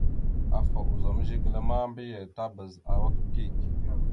Afa ozum zigəla ma, mbiyez tabaz awak dik.